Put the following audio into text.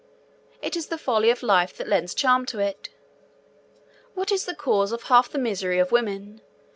It is the folly of life that lends charm to it. What is the cause of half the misery of women?